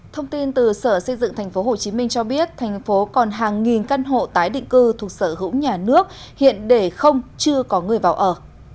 thông tin từ sở xây dựng tp hcm cho biết thành phố còn hàng nghìn căn hộ tái định cư thuộc sở hữu nhà nước hiện để không chưa có người vào ở